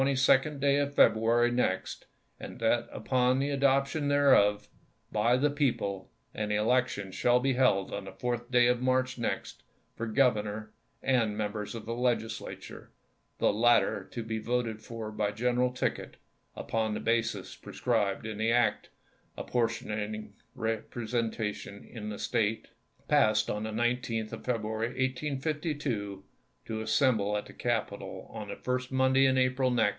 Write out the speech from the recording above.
22d day of February next, and that upon the adop tion thereof, by the people, an election shaU be held on the 4th day of March next, for governor and members of the Legislature, the latter to be voted for by general ticket, upon the basis prescribed in the act apportioning representation in the State, passed on the 19th of February, 1852, to assemble at the Capitol on the first Monday in April next, ANUKEW JOHNSON.